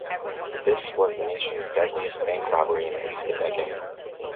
This was the nation's deadliest bank robbery in at least a decade.